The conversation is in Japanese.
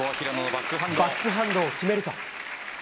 バックハンドを決めると。